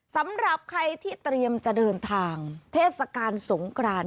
สำหรับใครที่เตรียมจะเดินทางเทศกาลสงคราน